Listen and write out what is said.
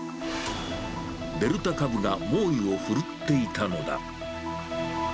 デルタ株が猛威を振るっていたのだ。